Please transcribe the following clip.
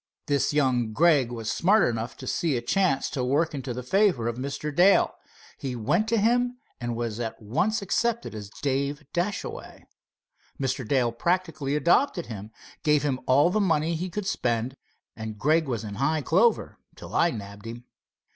This young Gregg was smart enough to see a chance to work into the favor of Mr. Dale. He went to him and was at once accepted as Dave Dashaway. Mr. Dale practically adopted him, gave him all the money he could spend, and Gregg was in high clover till I nabbed him."